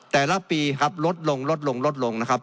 แต่ละปีครับลดลงนะครับ